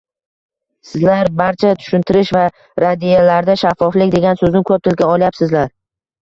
Sizlar barcha tushintirish va raddiyalarda “shaffoflik” degan soʻzni koʻp tilga olyapsizlar.